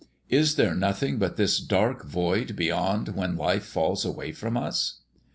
Is there nothing but this dark void beyond when life falls away from us?"